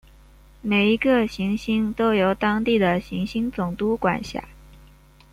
每一个行星都由当地的行星总督管辖。